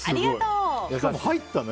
入ったの？